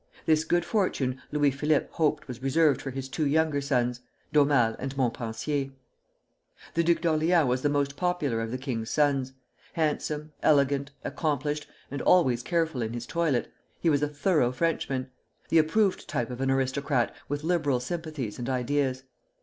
This good fortune Louis Philippe hoped was reserved for his two younger sons, D'Aumale and Montpensier. The Duke of Orleans was the most popular of the king's sons. Handsome, elegant, accomplished, and always careful in his toilet, he was a thorough Frenchman, the approved type of an aristocrat with liberal sympathies and ideas.